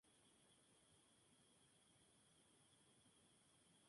Su padre fue David Neal, un fabricante de botones.